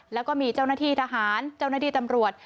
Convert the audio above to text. แล้วก็มีเจ้าหน้าที่ทหารเจ้าหน้าที่ตำรวจ